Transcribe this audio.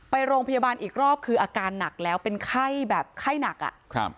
ไปโรงพยาบาลอีกรอบคืออาการหนักแล้วเป็นไข้แบบไข้หนักอ่ะครับ